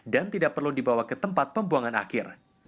dan tidak perlu dibawa ke tempat pembuangan akhir